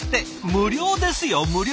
無料ですよ無料！